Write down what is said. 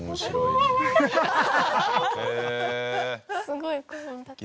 すごい。